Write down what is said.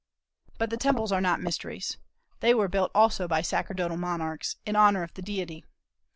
But the temples are not mysteries. They were built also by sacerdotal monarchs, in honor of the deity.